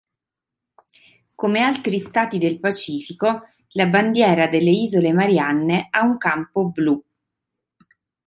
Come altri Stati del Pacifico la bandiera delle Isole Marianne ha un campo blu.